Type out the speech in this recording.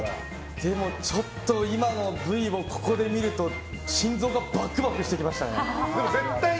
でもちょっと今のＶをここで見ると心臓がバクバクしてきましたね。